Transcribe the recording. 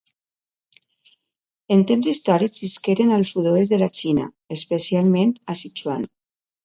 En temps històrics visqueren al sud-oest de la Xina, especialment a Sichuan.